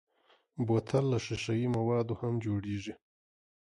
بوتل له ښیښهيي موادو هم جوړېږي.